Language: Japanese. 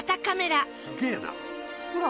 「ほら」